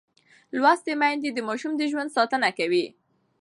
لوستې میندې د ماشوم د ژوند ساتنه کوي.